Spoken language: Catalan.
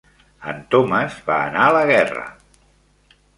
En Thomas va anar a la guerra!